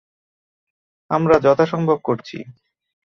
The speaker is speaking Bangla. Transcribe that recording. আমরা যথাসম্ভব করছি।